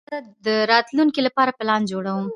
زه د راتلونکي لپاره پلان جوړوم.